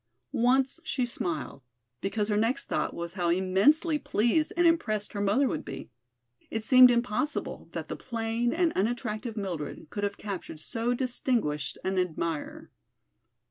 Once she smiled, because her next thought was how immensely pleased and impressed her mother would be. It seemed impossible that the plain and unattractive Mildred could have captured so distinguished an admirer.